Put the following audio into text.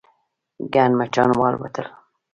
ګڼ مچان والوتل.